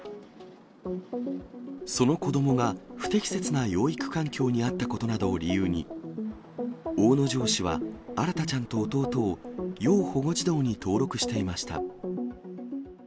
その子どもが不適切な養育環境にあったことなどを理由に、大野城市は新大ちゃんと弟を、要保護児童に登録していました。